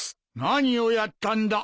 何をやったんだ。